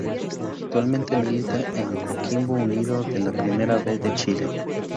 Actualmente milita en Coquimbo Unido de la Primera B de Chile.